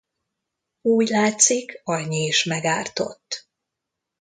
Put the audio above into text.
Úgy látszik, annyi is megártott.